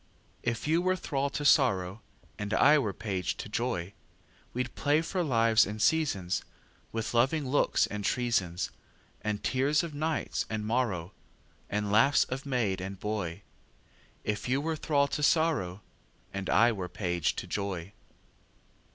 If you were thrall to sorrow, And I were page to joy, We'd play for lives and seasonsWith loving looks and treasonsAnd tears of night and morrowAnd laughs of maid and boy; If you were thrall to sorrow, And I were page to joy.